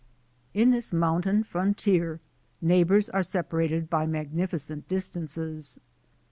In this mountain frontier neighbours are sepa rated by magnificent distances.